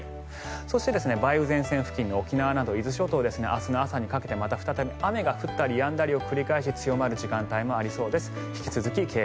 そして梅雨前線付近の沖縄など伊豆諸島ですが明日の朝にかけて、また再び雨が降ったりやんだりを繰り返し強まる時間帯がありそうです。